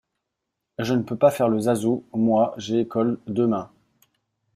Je ne peux pas faire le zazou, moi, j’ai école, demain.